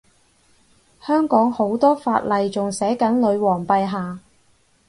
香港好多法例仲寫緊女皇陛下